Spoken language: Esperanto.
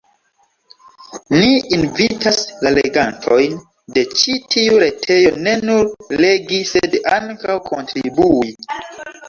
Ni invitas la legantojn de ĉi tiu retejo ne nur legi sed ankaŭ kontribui.